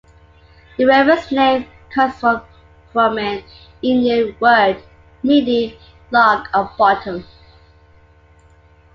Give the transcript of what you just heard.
The river's name comes from an Indian word meaning "log on bottom".